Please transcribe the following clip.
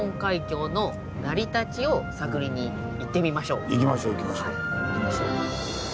今度は行きましょう行きましょう。